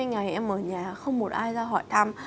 và lúc này em ở nhà không một ai ra hỏi thăm